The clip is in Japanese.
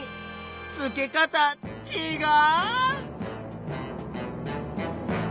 付け方ちがう！